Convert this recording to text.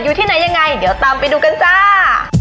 อยู่ที่ไหนยังไงเดี๋ยวตามไปดูกันจ้า